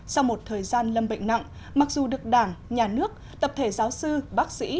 sau một thời gian lâm bệnh nặng mặc dù được đảng nhà nước tập thể giáo sư bác sĩ